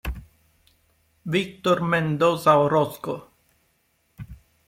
Víctor Mendoza Orozco